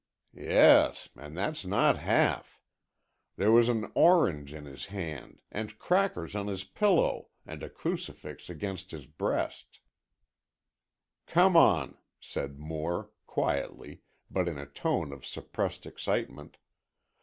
"Yes, and that's not half! There was an orange in his hand and crackers on his pillow and a crucifix against his breast——" "Come on," said Moore, quietly, but in a tone of suppressed excitement.